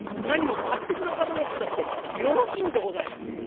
なにも買って下さらなくったってよろしいんでございます』。